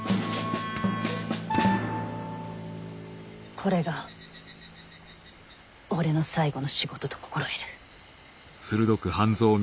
これが俺の最後の仕事と心得る。